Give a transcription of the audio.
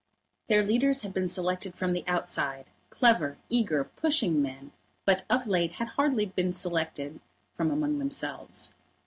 Their leaders had been selected from the outside, clever, eager, pushing men, but of late had been hardly selected from among themselves.